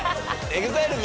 ＥＸＩＬＥ